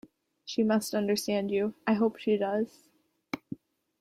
She must understand you. I hope she does.